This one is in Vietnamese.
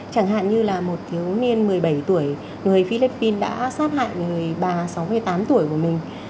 chẳng hạn như là một thiếu niên một mươi bảy tuổi người philippines đã sát hại người bà sáu mươi tám tuổi của mình